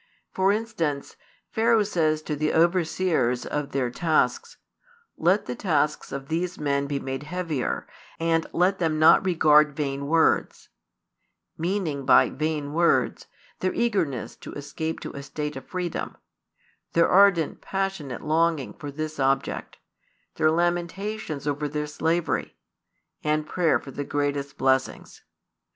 For instance, Pharaoh says to the overseers of their tasks: Let the tasks of these men be made heavier, and let them not regard vain words; meaning by "vain words" their eagerness to escape to a state of freedom, their ardent passionate longing for this object, their lamentations over their slavery, and prayer for the greatest blessings.